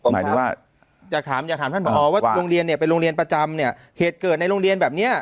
หมายถึงว่าอยากถามอยากถามท่านผอว่าโรงเรียนเนี่ยเป็นโรงเรียนประจำเนี่ยเหตุเกิดในโรงเรียนแบบเนี้ย